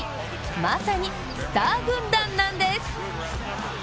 まさにスター軍団なんです。